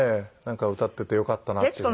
歌っててよかったなっていう。